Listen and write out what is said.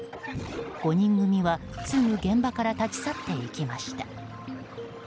５人組は、すぐ現場から立ち去っていきました。